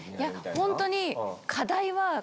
ホントに。